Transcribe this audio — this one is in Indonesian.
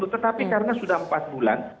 tetapi karena sudah empat bulan